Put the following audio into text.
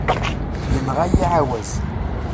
Yenɣa-yi ɛawaz.